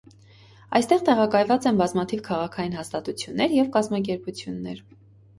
Այստեղ տեղակայված են բազմաթիվ քաղաքային հաստատություններ և կազմակերպություններ։